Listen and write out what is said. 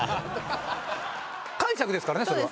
解釈ですからねそれは。